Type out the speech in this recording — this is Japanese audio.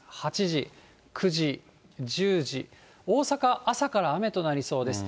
７時、８時、９時、１０時、大阪、朝から雨となりそうです。